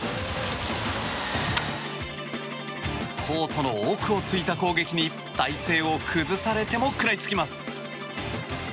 コートの奥を突いた攻撃に体勢を崩されても食らいつきます。